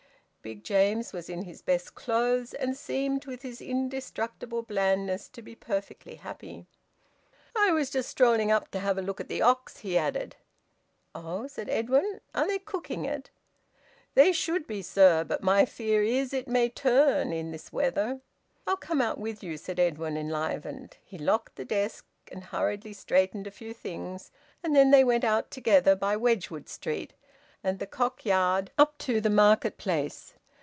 Big James was in his best clothes, and seemed, with his indestructible blandness, to be perfectly happy. "I was just strolling up to have a look at the ox," he added. "Oh!" said Edwin. "Are they cooking it?" "They should be, sir. But my fear is it may turn, in this weather." "I'll come out with you," said Edwin, enlivened. He locked the desk, and hurriedly straightened a few things, and then they went out together, by Wedgwood Street and the Cock Yard up to the market place.